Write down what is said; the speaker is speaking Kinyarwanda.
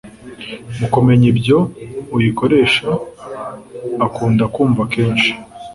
mu kumenya ibyo uyikoresha akunda kumva kenshi